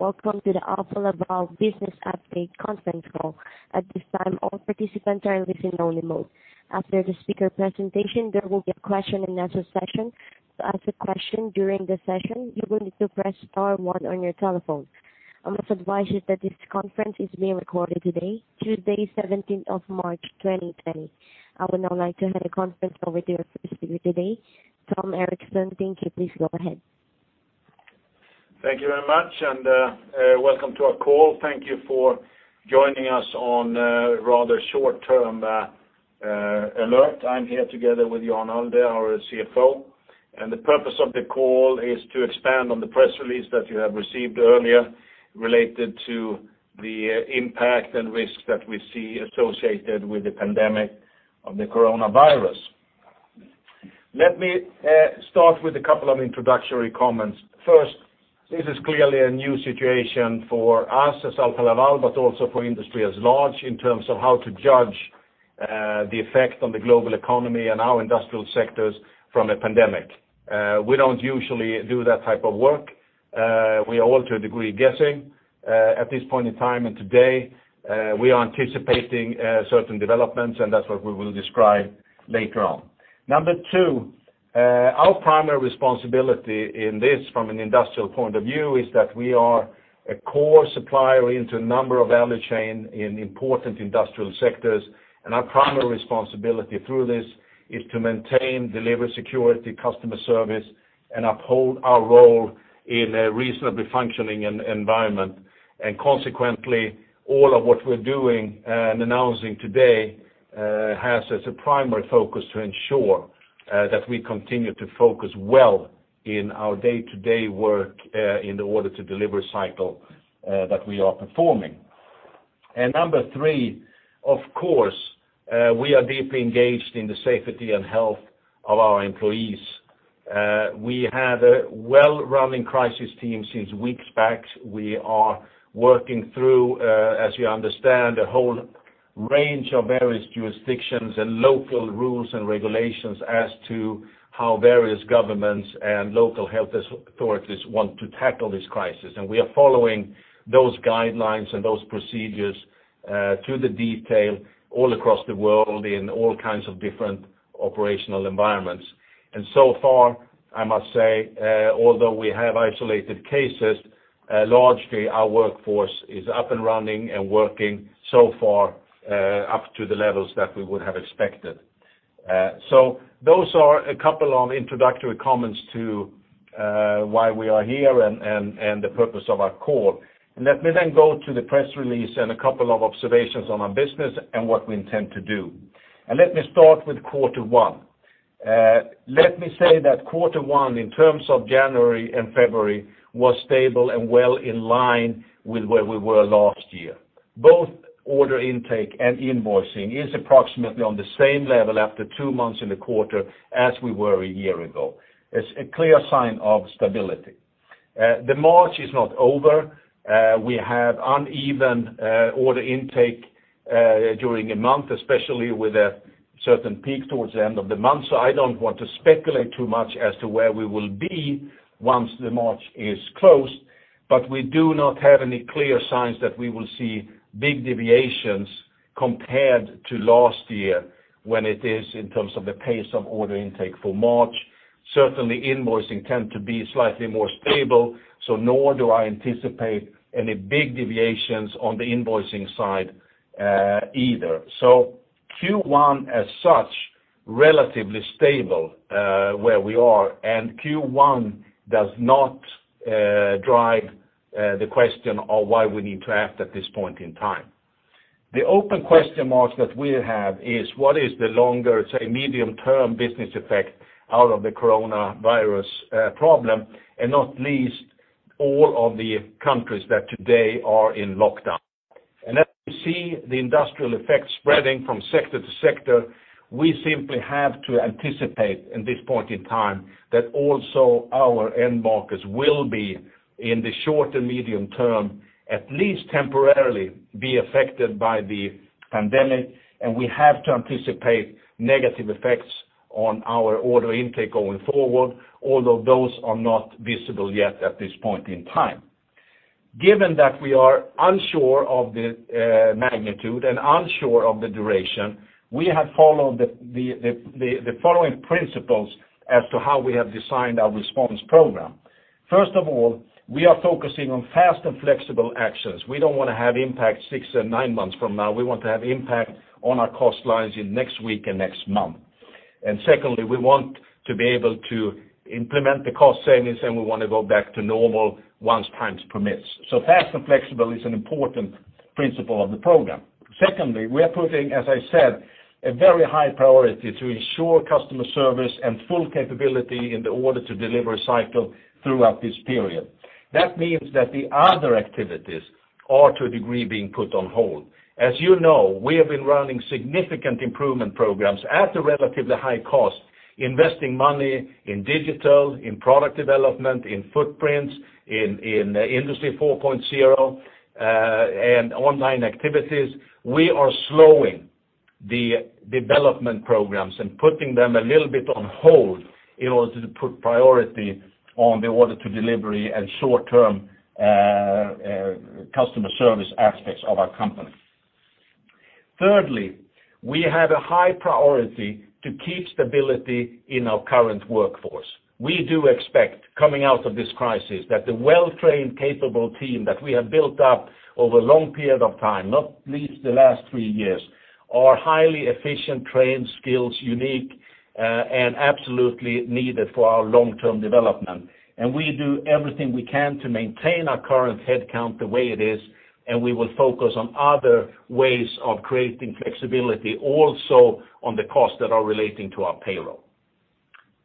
Welcome to the Alfa Laval business update conference call. At this time, all participants are in listen-only mode. After the speaker presentation, there will be a question-and-answer session. To ask a question during the session, you will need to press star one on your telephone. I must advise you that this conference is being recorded today, Tuesday, 17th of March 2020. I would now like to hand the conference over to our first speaker today, Tom Erixon. Thank you. Please go ahead. Thank you very much, and welcome to our call. Thank you for joining us on rather short-term alert. I'm here together with Jan Allde, our CFO, and the purpose of the call is to expand on the press release that you have received earlier related to the impact and risks that we see associated with the pandemic of the coronavirus. Let me start with a couple of introductory comments. First, this is clearly a new situation for us as Alfa Laval, but also for industry at large in terms of how to judge the effect on the global economy and our industrial sectors from a pandemic. We don't usually do that type of work. We are all, to a degree, guessing. At this point in time and today, we are anticipating certain developments, and that's what we will describe later on. Number two, our primary responsibility in this from an industrial point of view is that we are a core supplier into a number of value chain in important industrial sectors, and our primary responsibility through this is to maintain delivery security, customer service, and uphold our role in a reasonably functioning environment. Consequently, all of what we're doing and announcing today has as a primary focus to ensure that we continue to focus well in our day-to-day work in the order-to-deliver cycle that we are performing. Number three, of course, we are deeply engaged in the safety and health of our employees. We had a well-running crisis team since weeks back. We are working through, as you understand, a whole range of various jurisdictions and local rules and regulations as to how various governments and local health authorities want to tackle this crisis. We are following those guidelines and those procedures to the detail all across the world in all kinds of different operational environments. So far, I must say, although we have isolated cases, largely our workforce is up and running and working so far up to the levels that we would have expected. Those are a couple of introductory comments to why we are here and the purpose of our call. Let me go to the press release and a couple of observations on our business and what we intend to do. Let me start with quarter one. Let me say that quarter one, in terms of January and February, was stable and well in line with where we were last year. Both order intake and invoicing is approximately on the same level after two months in the quarter as we were a year ago. It's a clear sign of stability. The March is not over. We have uneven order intake during a month, especially with a certain peak towards the end of the month, so I don't want to speculate too much as to where we will be once the March is closed, but we do not have any clear signs that we will see big deviations compared to last year when it is in terms of the pace of order intake for March. Certainly, invoicing tend to be slightly more stable, so nor do I anticipate any big deviations on the invoicing side either. Q1 as such, relatively stable where we are, and Q1 does not drive the question of why we need to act at this point in time. The open question mark that we have is what is the longer, say, medium-term business effect out of the coronavirus problem, not least all of the countries that today are in lockdown. As we see the industrial effects spreading from sector to sector, we simply have to anticipate at this point in time that also our end markets will be in the short and medium term, at least temporarily, be affected by the pandemic, and we have to anticipate negative effects on our order intake going forward, although those are not visible yet at this point in time. Given that we are unsure of the magnitude and unsure of the duration, we have followed the following principles as to how we have designed our response program. First of all, we are focusing on fast and flexible actions. We don't want to have impact six and nine months from now. We want to have impact on our cost lines in next week and next month. Secondly, we want to be able to implement the cost savings, and we want to go back to normal once time permits. Fast and flexible is an important principle of the program. Secondly, we are putting, as I said, a very high priority to ensure customer service and full capability in the order-to-deliver cycle throughout this period. That means that the other activities are to a degree being put on hold. As you know, we have been running significant improvement programs at a relatively high cost, investing money in digital, in product development, in footprints, in Industry 4.0, and online activities. We are slowing the development programs and putting them a little bit on hold in order to put priority on the order to delivery and short-term customer service aspects of our company. Thirdly, we have a high priority to keep stability in our current workforce. We do expect coming out of this crisis that the well-trained capable team that we have built up over a long period of time, not least the last three years, are highly efficient, trained skills, unique, and absolutely needed for our long-term development. We do everything we can to maintain our current headcount the way it is, and we will focus on other ways of creating flexibility also on the costs that are relating to our payroll.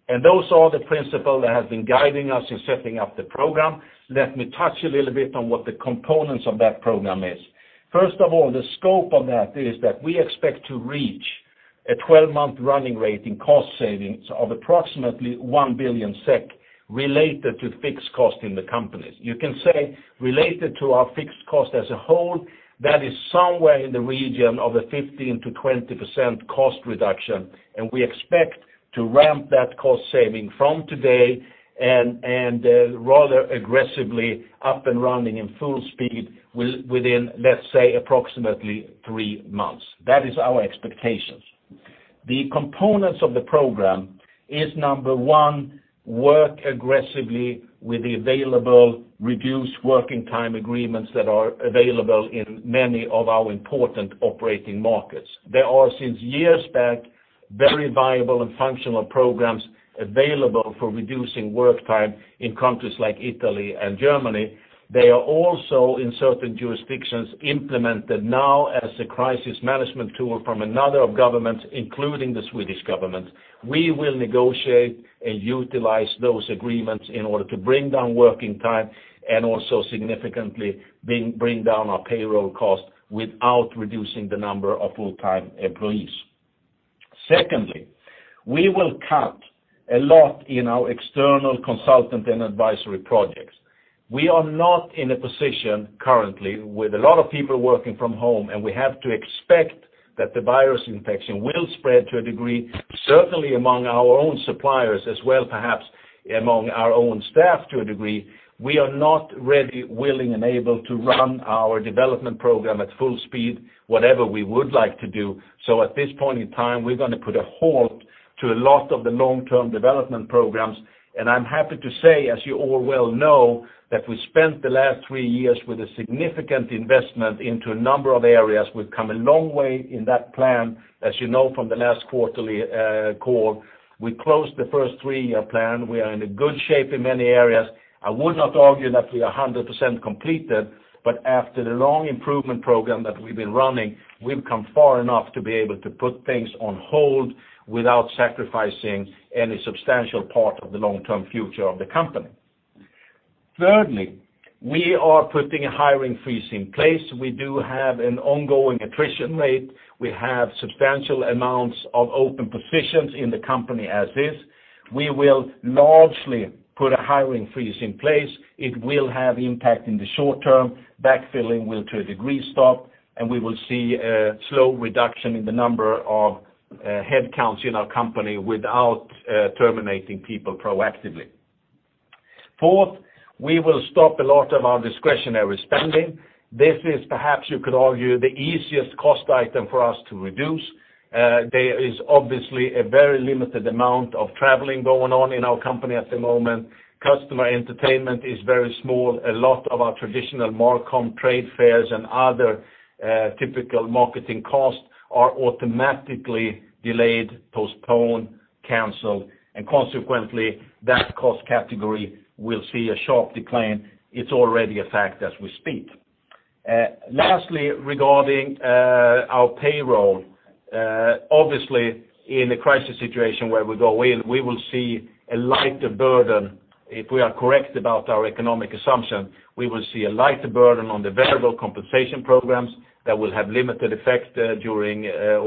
Those are the principles that have been guiding us in setting up the program. Let me touch a little bit on what the components of that program is. First of all, the scope of that is that we expect to reach a 12-month running rate in cost savings of approximately 1 billion SEK related to fixed costs in the company. You can say related to our fixed cost as a whole, that is somewhere in the region of a 15%-20% cost reduction, We expect to ramp that cost saving from today and rather aggressively up and running in full speed within, let's say, approximately three months. That is our expectation. The components of the program is, number one, work aggressively with the available reduced working time agreements that are available in many of our important operating markets. There are since years back, very viable and functional programs available for reducing work time in countries like Italy and Germany. They are also in certain jurisdictions implemented now as a crisis management tool from another government, including the Swedish government. We will negotiate and utilize those agreements in order to bring down working time and also significantly bring down our payroll cost without reducing the number of full-time employees. Secondly, we will cut a lot in our external consultant and advisory projects. We are not in a position currently with a lot of people working from home, and we have to expect that the virus infection will spread to a degree, certainly among our own suppliers as well, perhaps among our own staff to a degree. We are not ready, willing, and able to run our development program at full speed, whatever we would like to do. At this point in time, we're going to put a halt to a lot of the long-term development programs. I'm happy to say, as you all well know, that we spent the last three years with a significant investment into a number of areas. We've come a long way in that plan. As you know from the last quarterly call, we closed the first three-year plan. We are in a good shape in many areas. I would not argue that we are 100% completed, but after the long improvement program that we've been running, we've come far enough to be able to put things on hold without sacrificing any substantial part of the long-term future of the company. Thirdly, we are putting a hiring freeze in place. We do have an ongoing attrition rate. We have substantial amounts of open positions in the company as is. We will largely put a hiring freeze in place. It will have impact in the short term. Backfilling will, to a degree, stop, and we will see a slow reduction in the number of headcounts in our company without terminating people proactively. Fourth, we will stop a lot of our discretionary spending. This is perhaps you could argue, the easiest cost item for us to reduce. There is obviously a very limited amount of traveling going on in our company at the moment. Customer entertainment is very small. A lot of our traditional MarCom trade fairs and other typical marketing costs are automatically delayed, postponed, canceled, and consequently that cost category will see a sharp decline. It's already a fact as we speak. Lastly, regarding our payroll. Obviously, in a crisis situation where we go in, we will see a lighter burden. If we are correct about our economic assumption, we will see a lighter burden on the variable compensation programs that will have limited effect or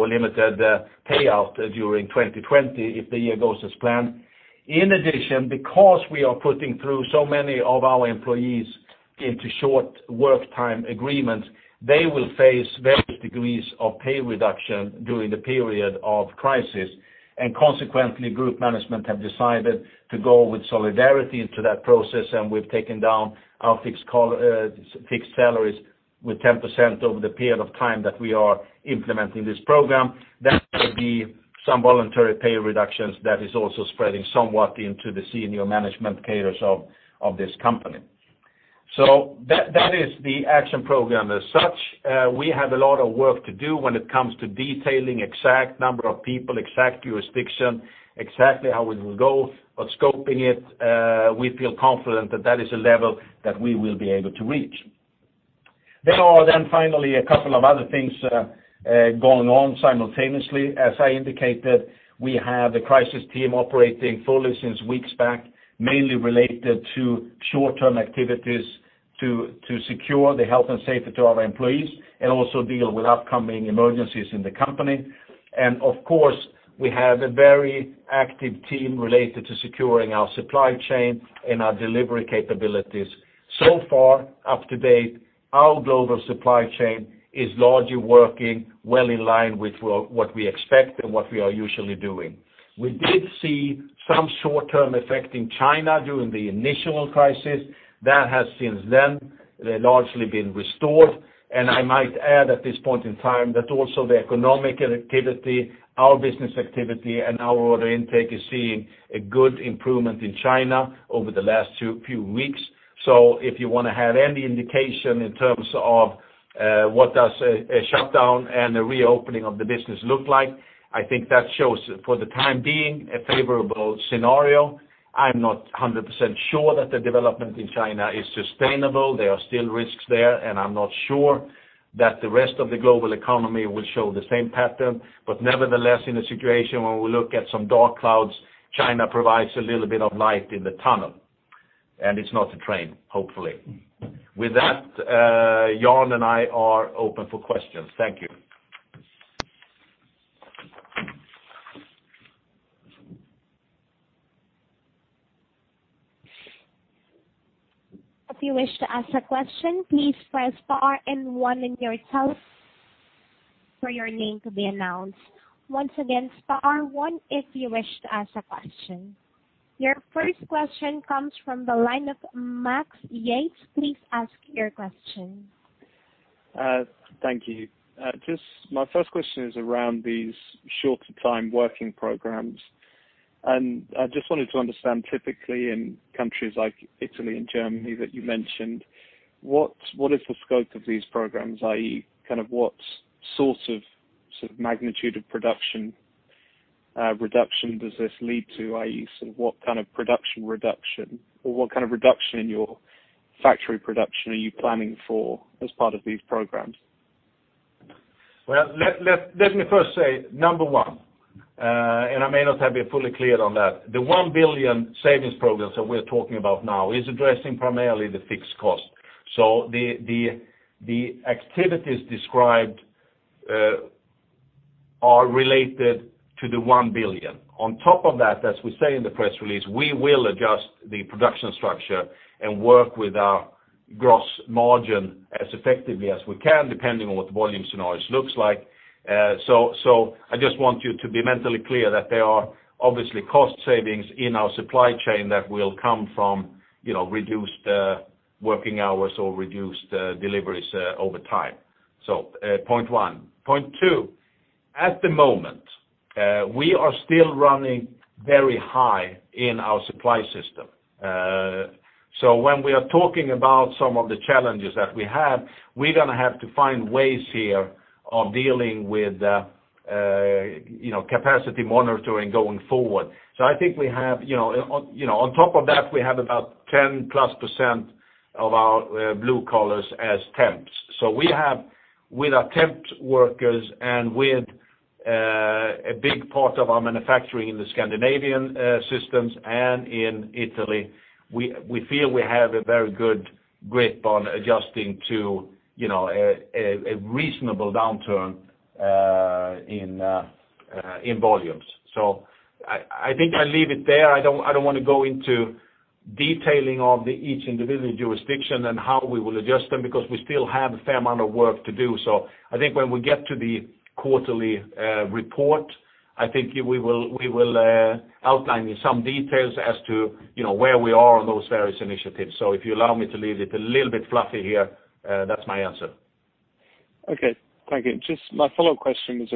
limited payout during 2020 if the year goes as planned. In addition, because we are putting through so many of our employees into short work time agreements, they will face various degrees of pay reduction during the period of crisis, and consequently, Group Management have decided to go with solidarity into that process, and we've taken down our fixed salaries with 10% over the period of time that we are implementing this program. That will be some voluntary pay reductions that is also spreading somewhat into the senior management payers of this company. So that is the action program as such. We have a lot of work to do when it comes to detailing exact number of people, exact jurisdiction, exactly how we will go, but scoping it, we feel confident that is a level that we will be able to reach. There are finally a couple of other things going on simultaneously. As I indicated, we have the crisis team operating fully since weeks back, mainly related to short-term activities to secure the health and safety to our employees, and also deal with upcoming emergencies in the company. Of course, we have a very active team related to securing our supply chain and our delivery capabilities. So far, up to date, our global supply chain is largely working well in line with what we expect and what we are usually doing. We did see some short-term effect in China during the initial crisis. That has since then largely been restored, and I might add at this point in time that also the economic activity, our business activity, and our order intake is seeing a good improvement in China over the last few weeks. If you want to have any indication in terms of what does a shutdown and a reopening of the business look like, I think that shows, for the time being, a favorable scenario. I'm not 100% sure that the development in China is sustainable. There are still risks there, and I'm not sure that the rest of the global economy will show the same pattern. Nevertheless, in a situation when we look at some dark clouds, China provides a little bit of light in the tunnel, and it's not a train, hopefully. With that, Jan and I are open for questions. Thank you. If you wish to ask a question, please press star and one in your telephone for your name to be announced. Once again, star one if you wish to ask a question. Your first question comes from the line of Max Yates. Please ask your question. Thank you. My first question is around these shorter time working programs. I just wanted to understand typically in countries like Italy and Germany that you mentioned, what is the scope of these programs? i.e., what sort of magnitude of production reduction does this lead to? i.e., what kind of production reduction, or what kind of reduction in your factory production are you planning for as part of these programs? Well, let me first say, number one, and I may not have been fully clear on that. The 1 billion savings programs that we're talking about now is addressing primarily the fixed cost. The activities described are related to the 1 billion. On top of that, as we say in the press release, we will adjust the production structure and work with our gross margin as effectively as we can, depending on what the volume scenarios looks like. I just want you to be mentally clear that there are obviously cost savings in our supply chain that will come from reduced working hours or reduced deliveries over time. Point one. Point two, at the moment, we are still running very high in our supply system. When we are talking about some of the challenges that we have, we're going to have to find ways here of dealing with capacity monitoring going forward. I think on top of that, we have about +10% of our blue collars as temps. We have with our temp workers and with a big part of our manufacturing in the Scandinavian systems and in Italy, we feel we have a very good grip on adjusting to a reasonable downturn in volumes. I think I leave it there. I don't want to go into detailing of each individual jurisdiction and how we will adjust them because we still have a fair amount of work to do. I think when we get to the quarterly report, I think we will outline some details as to where we are on those various initiatives. If you allow me to leave it a little bit fluffy here, that's my answer. Okay. Thank you. Just my follow-up question is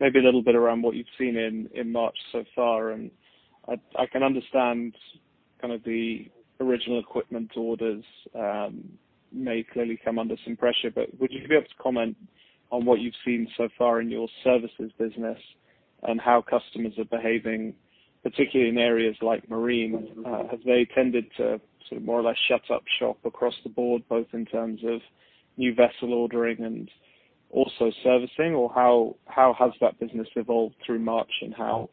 maybe a little bit around what you've seen in March so far, and I can understand the original equipment orders may clearly come under some pressure, but would you be able to comment on what you've seen so far in your services business and how customers are behaving, particularly in areas like marine? Have they tended to more or less shut up shop across the board, both in terms of new vessel ordering and also servicing? How has that business evolved through March, and how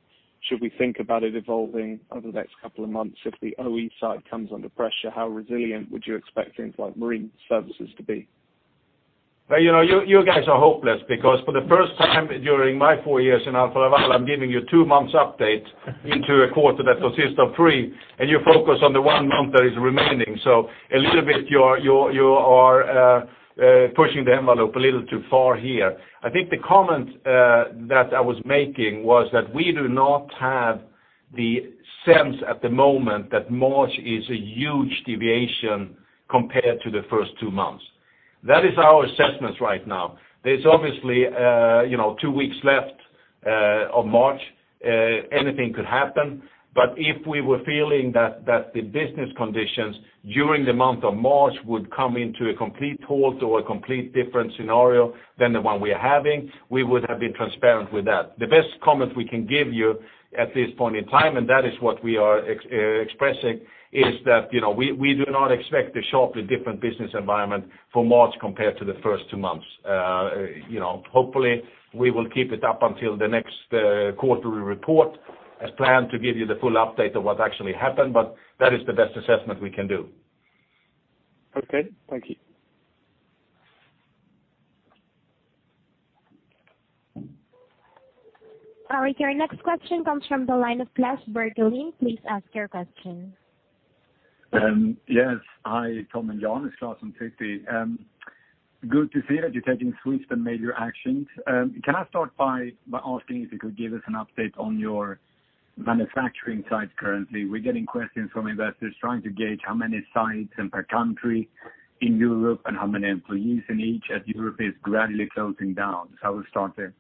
should we think about it evolving over the next couple of months? If the OE side comes under pressure, how resilient would you expect things like marine services to be? You guys are hopeless because for the first time during my four years in Alfa Laval, I'm giving you two months update into a quarter that consists of three, and you focus on the one month that is remaining. A little bit you are pushing the envelope a little too far here. I think the comment that I was making was that we do not have the sense at the moment that March is a huge deviation compared to the first two months. That is our assessment right now. There's obviously two weeks left of March. Anything could happen. If we were feeling that the business conditions during the month of March would come into a complete halt or a complete different scenario than the one we are having, we would have been transparent with that. The best comment we can give you at this point in time, and that is what we are expressing, is that we do not expect a sharply different business environment for March compared to the first two months. Hopefully, we will keep it up until the next quarterly report as planned to give you the full update of what actually happened, but that is the best assessment we can do. Okay. Thank you. All right. Your next question comes from the line of Claes Bergendahl. Please ask your question. Yes. Hi, Tom and Jan, it's Claes from Citi. Good to see that you're taking swift and major actions. Can I start by asking if you could give us an update on your manufacturing sites currently? We're getting questions from investors trying to gauge how many sites and per country in Europe, and how many employees in each, as Europe is gradually closing down. Shall we start there?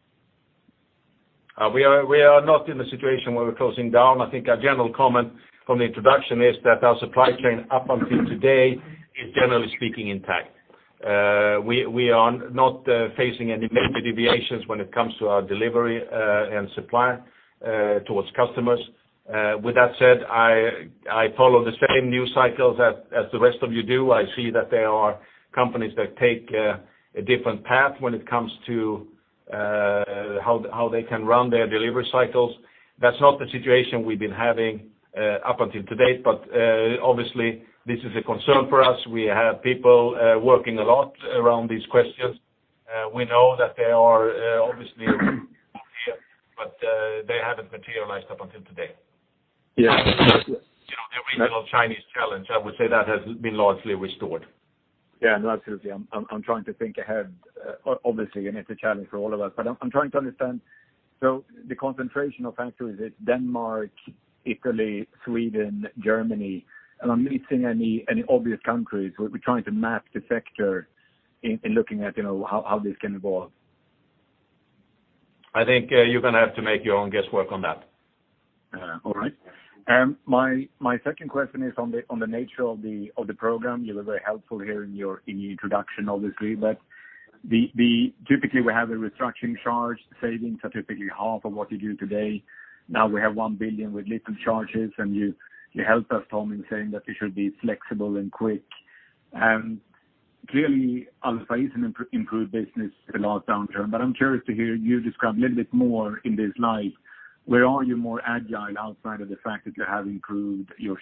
We are not in a situation where we're closing down. I think our general comment from the introduction is that our supply chain up until today is generally speaking intact. We are not facing any major deviations when it comes to our delivery and supply towards customers. With that said, I follow the same news cycles as the rest of you do. I see that there are companies that take a different path when it comes to how they can run their delivery cycles. That's not the situation we've been having up until to date. Obviously, this is a concern for us. We have people working a lot around these questions. We know that they are obviously here, but they haven't materialized up until today. Yeah. The original Chinese challenge, I would say that has been largely restored. Yeah, no, absolutely. I'm trying to think ahead, obviously, and it's a challenge for all of us, but I'm trying to understand. The concentration of factories is Denmark, Italy, Sweden, Germany, and I'm missing any obvious countries. We're trying to map the sector in looking at how this can evolve. I think you're going to have to make your own guesswork on that. All right. My second question is on the nature of the program. You were very helpful here in your introduction, obviously, but typically, we have a restructuring charge savings of typically half of what you do today. Now we have 1 billion with little charges, and you helped us, Tom, in saying that you should be flexible and quick. Clearly, Alfa is an improved business the last downturn, but I'm curious to hear you describe a little bit more in this light. Where are you more agile outside of the fact that you have improved your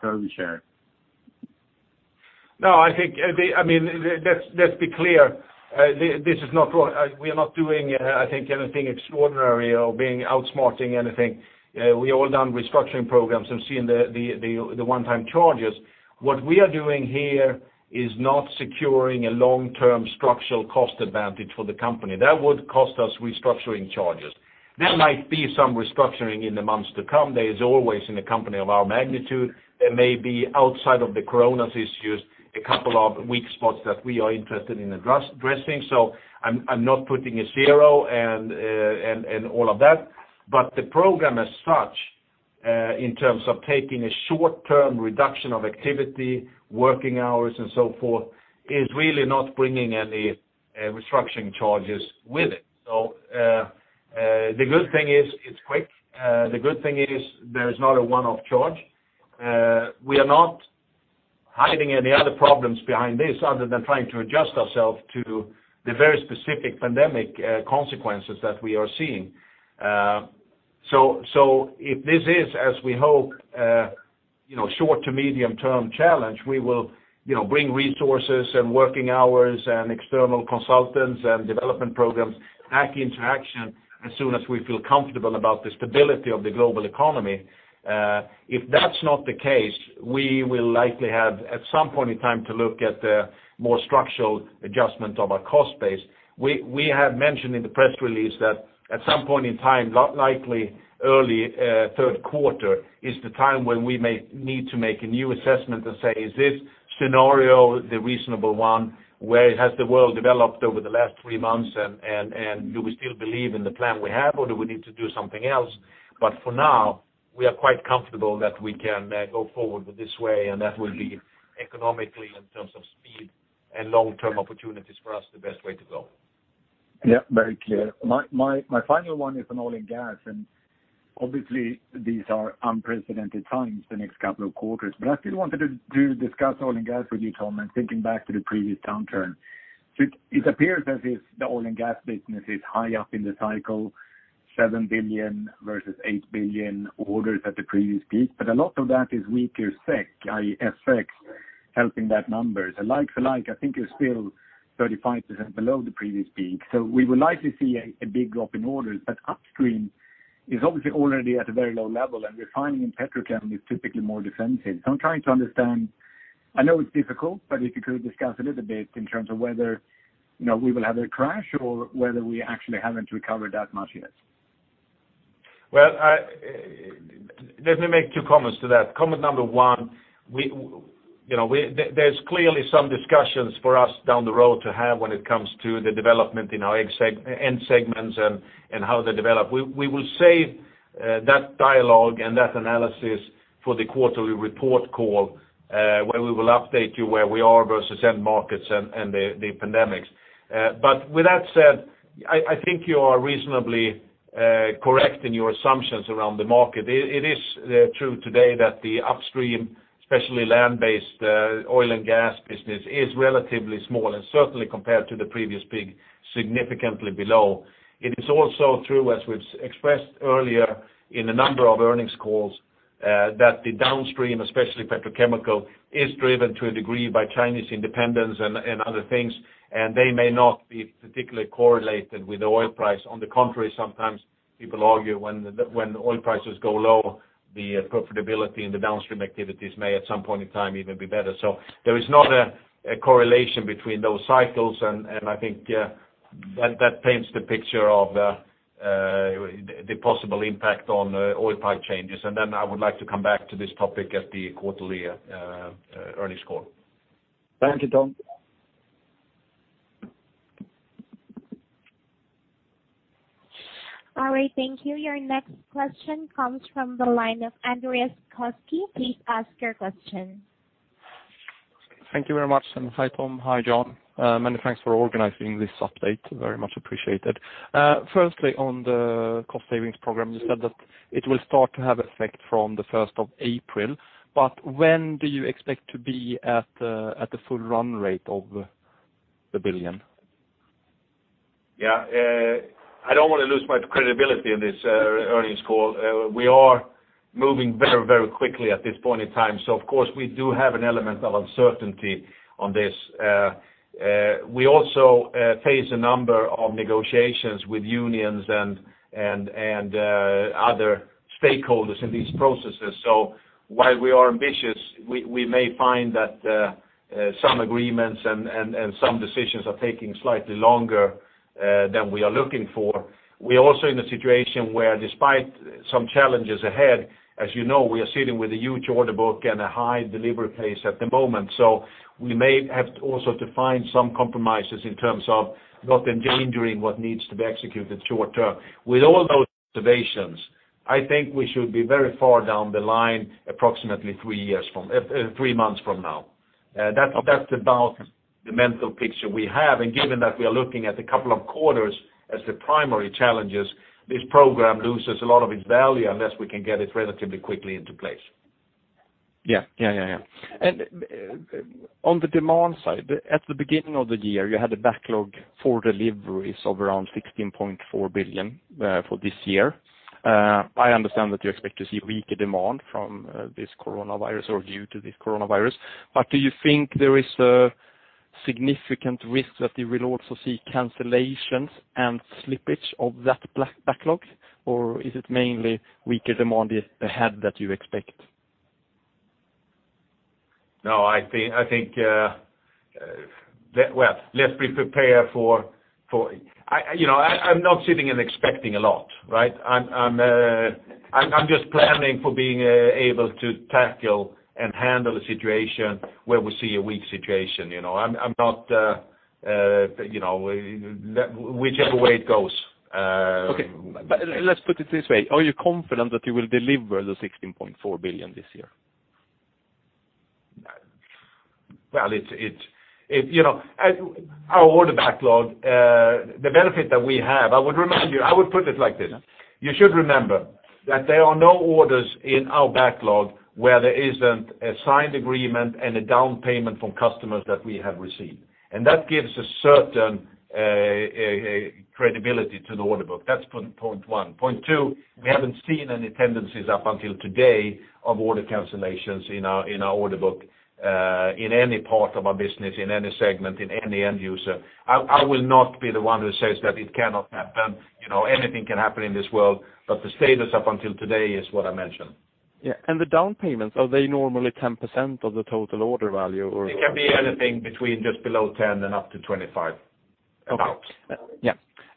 service share? Let's be clear. We are not doing anything extraordinary or outsmarting anything. We all done restructuring programs and seen the one-time charges. What we are doing here is not securing a long-term structural cost advantage for the company. That would cost us restructuring charges. There might be some restructuring in the months to come. There is always in a company of our magnitude. There may be outside of the coronavirus issues, a couple of weak spots that we are interested in addressing. I'm not putting a zero and all of that, but the program as such in terms of taking a short-term reduction of activity, working hours, and so forth, is really not bringing any restructuring charges with it. The good thing is it's quick. The good thing is there is not a one-off charge. We are not hiding any other problems behind this other than trying to adjust ourselves to the very specific pandemic consequences that we are seeing. If this is as we hope, short to medium-term challenge, we will bring resources and working hours and external consultants and development programs back into action as soon as we feel comfortable about the stability of the global economy. If that's not the case, we will likely have, at some point in time, to look at the more structural adjustment of our cost base. We have mentioned in the press release that at some point in time, likely early third quarter, is the time when we may need to make a new assessment to say, is this scenario the reasonable one? Where has the world developed over the last three months? Do we still believe in the plan we have, or do we need to do something else? For now, we are quite comfortable that we can go forward with this way, and that will be economically, in terms of speed and long-term opportunities for us, the best way to go. Yeah, very clear. My final one is on oil and gas, obviously these are unprecedented times the next couple of quarters, but I still wanted to discuss oil and gas with you, Tom, and thinking back to the previous downturn. It appears as if the oil and gas business is high up in the cycle, 7 billion versus 8 billion orders at the previous peak, but a lot of that is weaker FX helping that number. The like for like, I think you're still 35% below the previous peak. We will likely see a big drop in orders. Upstream is obviously already at a very low level, and refining and petrochemical is typically more defensive. I'm trying to understand, I know it's difficult, but if you could discuss a little bit in terms of whether we will have a crash or whether we actually haven't recovered that much yet? Well, let me make two comments to that. Comment number one, there's clearly some discussions for us down the road to have when it comes to the development in our end segments and how they develop. We will save that dialogue and that analysis for the quarterly report call where we will update you where we are versus end markets and the pandemics. With that said, I think you are reasonably correct in your assumptions around the market. It is true today that the upstream, especially land-based oil and gas business, is relatively small and certainly compared to the previous peak, significantly below. It is also true, as we've expressed earlier in a number of earnings calls that the downstream, especially petrochemical, is driven to a degree by Chinese independence and other things, and they may not be particularly correlated with the oil price. On the contrary, sometimes people argue when the oil prices go low, the profitability in the downstream activities may, at some point in time, even be better. There is not a correlation between those cycles, and I think that paints the picture of the possible impact on oil price changes. I would like to come back to this topic at the quarterly earnings call. Thank you, Tom. All right, thank you. Your next question comes from the line of Andreas Koski. Please ask your question. Thank you very much, and hi, Tom. Hi, Jan. Many thanks for organizing this update. Very much appreciated. Firstly, on the cost savings program, you said that it will start to have effect from the 1st of April. When do you expect to be at the full run rate of the 1 billion? Yeah. I don't want to lose my credibility in this earnings call. We are moving very quickly at this point in time, of course, we do have an element of uncertainty on this. We also face a number of negotiations with unions and other stakeholders in these processes. While we are ambitious, we may find that some agreements and some decisions are taking slightly longer than we are looking for. We are also in a situation where, despite some challenges ahead, as you know, we are sitting with a huge order book and a high delivery pace at the moment. We may have also to find some compromises in terms of not endangering what needs to be executed short term. With all those observations, I think we should be very far down the line approximately three months from now. That's about the mental picture we have. Given that we are looking at a couple of quarters as the primary challenges, this program loses a lot of its value unless we can get it relatively quickly into place. Yeah. On the demand side, at the beginning of the year, you had a backlog for deliveries of around 16.4 billion for this year. I understand that you expect to see weaker demand from this coronavirus, or due to this coronavirus. Do you think there is a significant risk that you will also see cancellations and slippage of that backlog? Is it mainly weaker demand ahead that you expect? No, I think, well, let's be prepared for I'm not sitting and expecting a lot, right? I'm just planning for being able to tackle and handle a situation where we see a weak situation. I'm not whichever way it goes. Okay. Let's put it this way. Are you confident that you will deliver the 16.4 billion this year? Well, our order backlog, the benefit that we have, I would remind you, I would put it like this. You should remember that there are no orders in our backlog where there isn't a signed agreement and a down payment from customers that we have received. That gives a certain credibility to the order book. That's point one. Point two, we haven't seen any tendencies up until today of order cancellations in our order book, in any part of our business, in any segment, in any end user. I will not be the one who says that it cannot happen. Anything can happen in this world, the status up until today is what I mentioned. Yeah. The down payments, are they normally 10% of the total order value, or? It can be anything between just below 10% and up to 25%, about. Yeah.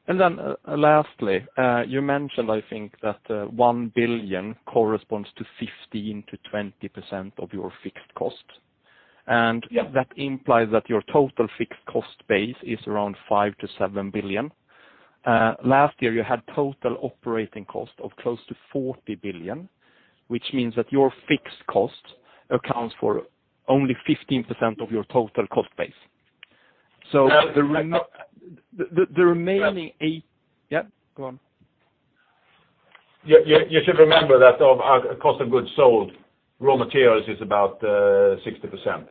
Lastly, you mentioned, I think, that 1 billion corresponds to 15%-20% of your fixed cost. Yeah. That implies that your total fixed cost base is around 5 billion-7 billion. Last year, you had total operating cost of close to 40 billion, which means that your fixed cost accounts for only 15% of your total cost base. Yeah. Yeah, go on. You should remember that of our cost of goods sold, raw materials is about 60%.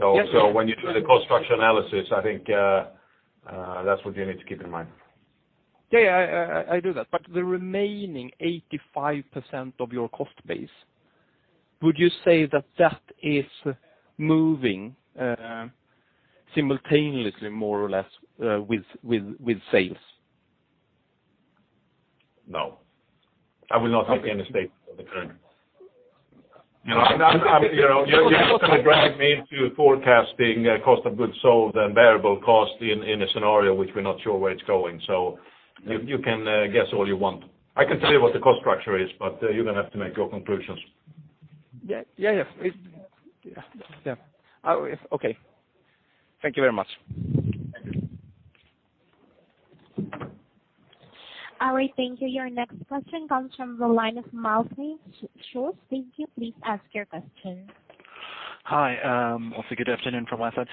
Yes. When you do the cost structure analysis, I think that's what you need to keep in mind. Yeah, I do that. The remaining 85% of your cost base, would you say that that is moving simultaneously more or less, with sales? No. I will not help you in the statement of the current. You're just going to drag me into forecasting cost of goods sold and variable cost in a scenario which we're not sure where it's going. You can guess all you want. I can tell you what the cost structure is, but you're going to have to make your conclusions. Yeah. Okay. Thank you very much. Thank you. All right, thank you. Your next question comes from the line of Matt Schulz. Thank you. Please ask your question. Hi. Good afternoon from my side.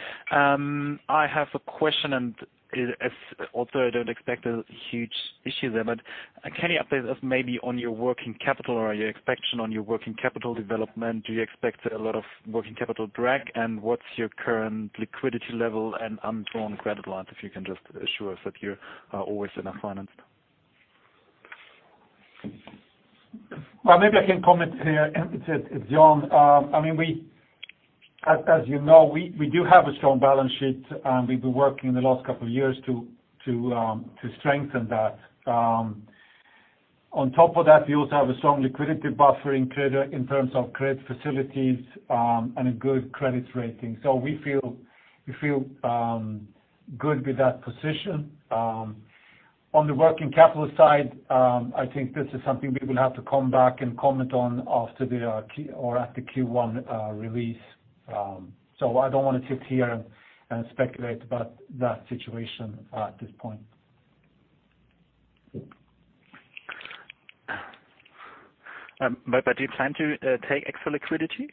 I have a question, and also, I don't expect a huge issue there, but can you update us maybe on your working capital or your expectation on your working capital development? Do you expect a lot of working capital drag, and what's your current liquidity level and undrawn credit lines, if you can just assure us that you are always in a finance position? Well, maybe I can comment here. It's Jan. As you know, we do have a strong balance sheet, and we've been working the last couple of years to strengthen that. On top of that, we also have a strong liquidity buffer in terms of credit facilities, and a good credit rating. We feel good with that position. On the working capital side, I think this is something we will have to come back and comment on at the Q1 release. I don't want to sit here and speculate about that situation at this point. Do you plan to take extra liquidity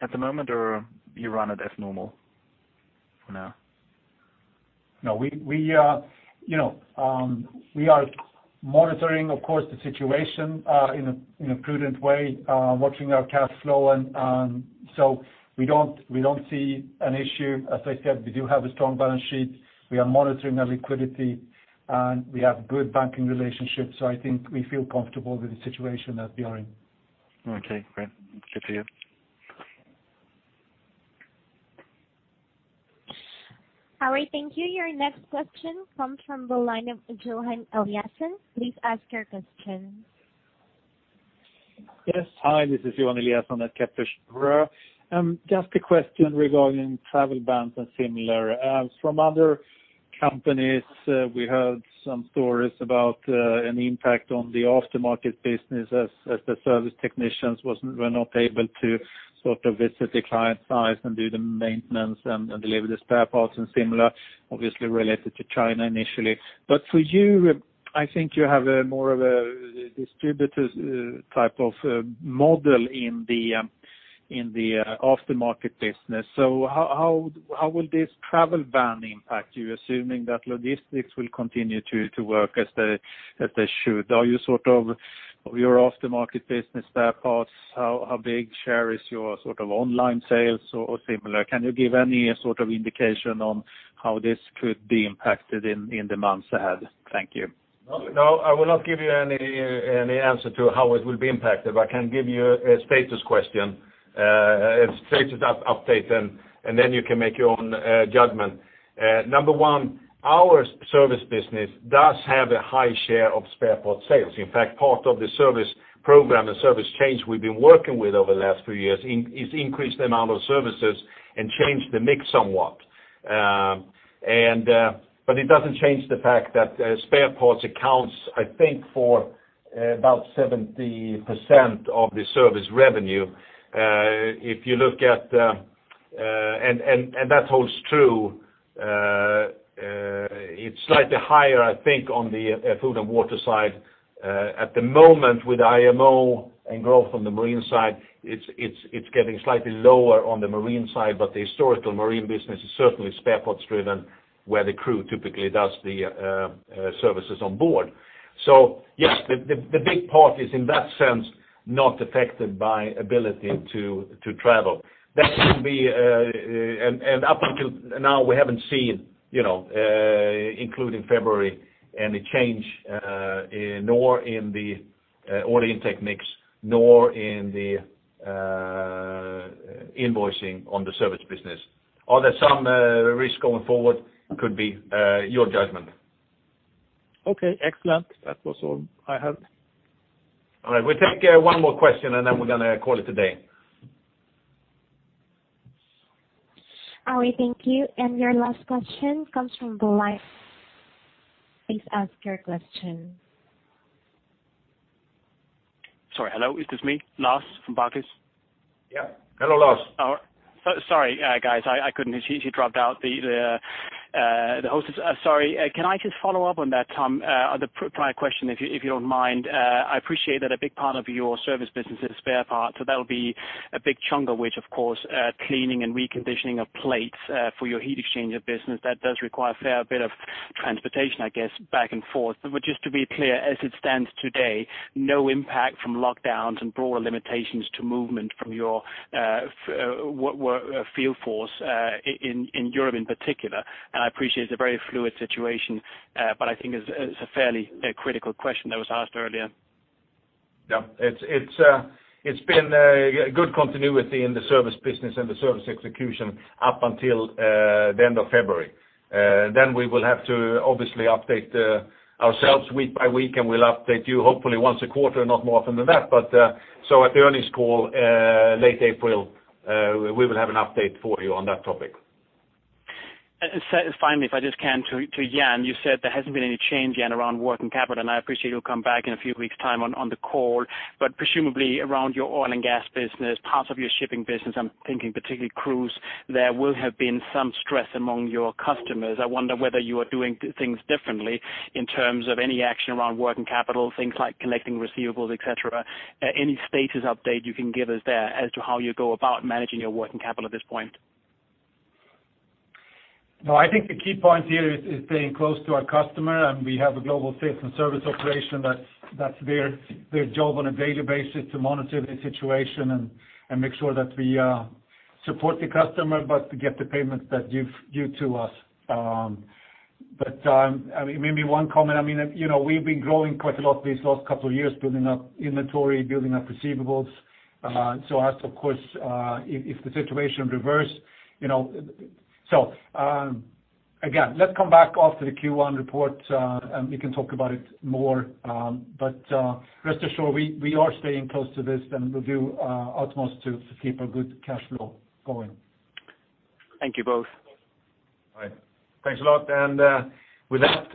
at the moment, or you run it as normal for now? No. We are monitoring, of course, the situation in a prudent way, watching our cash flow. We don't see an issue. As I said, we do have a strong balance sheet. We are monitoring our liquidity, and we have good banking relationships. I think we feel comfortable with the situation as we are in. Okay, great. Good to hear. Howie, thank you. Your next question comes from the line of Johan Eliason. Please ask your question. Yes. Hi, this is Johan Eliason at Kepler Cheuvreux. Just a question regarding travel bans and similar. From other companies, we heard some stories about an impact on the aftermarket business as the service technicians were not able to visit the client site and do the maintenance and deliver the spare parts and similar, obviously related to China initially. For you, I think you have more of a distributor type of model in the aftermarket business. How will this travel ban impact you, assuming that logistics will continue to work as they should? Of your aftermarket business spare parts, how big share is your online sales or similar? Can you give any sort of indication on how this could be impacted in the months ahead? Thank you. No, I will not give you any answer to how it will be impacted, but I can give you a status update, and then you can make your own judgment. Number one, our service business does have a high share of spare part sales. In fact, part of the service program and service change we've been working with over the last few years is increase the amount of services and change the mix somewhat. It doesn't change the fact that spare parts accounts, I think, for about 70% of the service revenue. That holds true, it's slightly higher, I think, on the food and water side. At the moment with IMO and growth from the marine side, it's getting slightly lower on the marine side, but the historical marine business is certainly spare parts driven, where the crew typically does the services on board. Yes, the big part is, in that sense, not affected by ability to travel. Up until now, we haven't seen, including February, any change, nor in the order intake mix, nor in the invoicing on the service business. Are there some risks going forward? Could be. Your judgment. Okay, excellent. That was all I had. All right. We'll take one more question, and then we're going to call it a day. Alright, thank you. Your last question comes from the line. Please ask your question. Sorry. Hello, it is me, Lars from Barclays. Yeah. Hello, Lars. Sorry, guys, she dropped out, the hostess. Sorry, can I just follow up on that, Tom, the prior question, if you don't mind? I appreciate that a big part of your service business is spare parts. That'll be a big chunk of which, of course, cleaning and reconditioning of plates for your heat exchanger business. That does require a fair bit of transportation, I guess, back and forth. Just to be clear, as it stands today, no impact from lockdowns and broader limitations to movement from your field force in Europe in particular? I appreciate it's a very fluid situation, but I think it's a fairly critical question that was asked earlier. Yeah. It's been good continuity in the service business and the service execution up until the end of February. We will have to obviously update ourselves week by week, and we'll update you hopefully once a quarter, not more often than that. At the earnings call, late April, we will have an update for you on that topic. Finally, if I just can, to Jan, you said there hasn't been any change yet around working capital, and I appreciate you'll come back in a few weeks time on the call. Presumably around your oil and gas business, parts of your shipping business, I'm thinking particularly cruise, there will have been some stress among your customers. I wonder whether you are doing things differently in terms of any action around working capital, things like collecting receivables, et cetera. Any status update you can give us there as to how you go about managing your working capital at this point? I think the key point here is staying close to our customer. We have a global sales and service operation that their job on a daily basis to monitor the situation and make sure that we support the customer, but to get the payments that are due to us. Maybe one comment. We've been growing quite a lot these last couple of years, building up inventory, building up receivables. Of course, if the situation reverses, again, let's come back after the Q1 report. We can talk about it more. Rest assured, we are staying close to this. We'll do our utmost to keep a good cash flow going. Thank you both. All right. Thanks a lot. With that,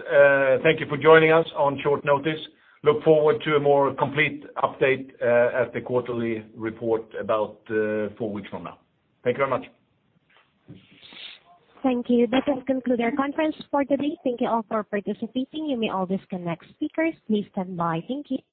thank you for joining us on short notice. Look forward to a more complete update at the quarterly report about four weeks from now. Thank you very much. Thank you. That does conclude our conference for today. Thank you all for participating. You may all disconnect. Speakers, please stand by. Thank you.